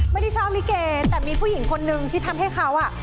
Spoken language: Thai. ไม่ได้ชอบลิเกแต่มีผู้หญิงคนนึงที่ทำให้เขาอ่ะ